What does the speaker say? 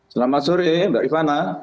selamat sore mbak ivana